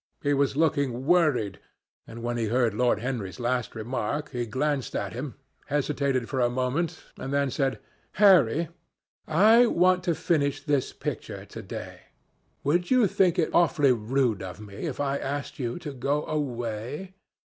He was looking worried, and when he heard Lord Henry's last remark, he glanced at him, hesitated for a moment, and then said, "Harry, I want to finish this picture to day. Would you think it awfully rude of me if I asked you to go away?"